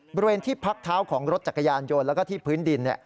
บริเวณที่พักเท้าของรถจักรยานยนต์แล้วก็ที่พื้นดิน